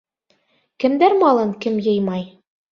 Кемдәр малын кем йыймай